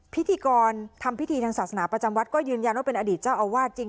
พิธีกรทำพิธีทางศาสนาประจำวัดก็ยืนยันว่าเป็นอดีตเจ้าอาวาสจริง